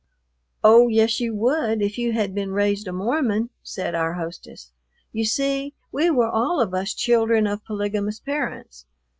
"Oh, yes, you would if you had been raised a Mormon," said our hostess. "You see, we were all of us children of polygamous parents.